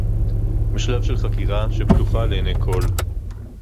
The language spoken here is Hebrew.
בשלב של חקירה, שפתוחה לעיני כול